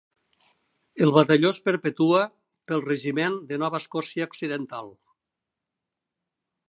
El batalló és perpetua pel Regiment de Nova Escòcia Occidental.